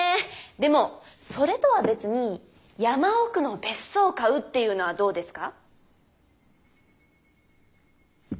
でもそれとは別に「山奥の別荘」を買うっていうのはどうですか？